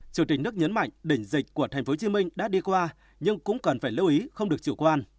chủ tịch nước nhấn mạnh đỉnh dịch của thành phố hồ chí minh đã đi qua nhưng cũng cần phải lưu ý không được chủ quan